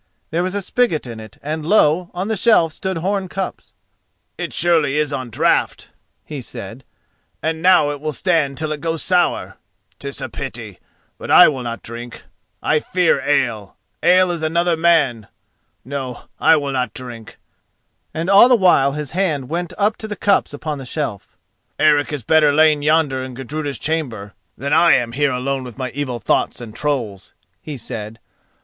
There was a spigot in it, and lo! on the shelf stood horn cups. "It surely is on draught," he said; "and now it will stand till it goes sour. 'Tis a pity; but I will not drink. I fear ale—ale is another man! No, I will not drink," and all the while his hand went up to the cups upon the shelf. "Eric is better lain yonder in Gudruda's chamber than I am here alone with evil thoughts and trolls," he said.